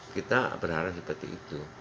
kita benar benar seperti itu